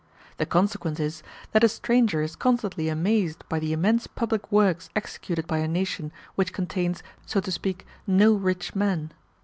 The consequence is, that a stranger is constantly amazed by the immense public works executed by a nation which contains, so to speak, no rich men.